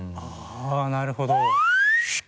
あぁなるほど。